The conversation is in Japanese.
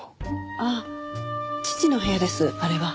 ああ父の部屋ですあれは。